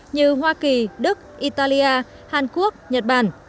như hoa kỳ đức italia hàn quốc nhật bản